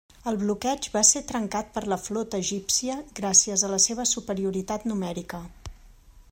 El bloqueig va ser trencat per la flota egípcia gràcies a la seva superioritat numèrica.